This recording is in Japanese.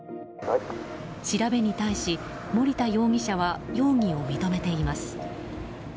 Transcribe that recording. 調べに対し、森田容疑者は容疑を認めています。